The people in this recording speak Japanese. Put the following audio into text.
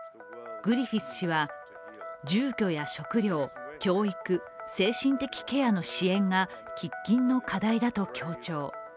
グリフィス氏は、住居や食料教育精神的ケアの支援が喫緊の課題だと強調。